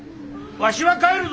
わしは帰るぞ！